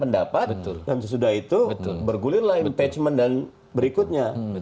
pendapat dan sesudah itu bergulirlah impeachment dan berikutnya